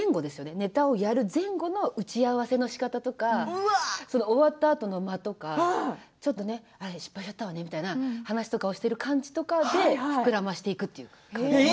ネタをやる前後の打ち合わせのしかたとか終わったあとの間とかちょっと失敗しちゃったわねみたいな話とかしている感じとかで膨らませていくという感じ。